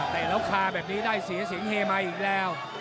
แต่แล้วคาแบบนี้ได้เสียเสียงเฮมาอีกแล้ว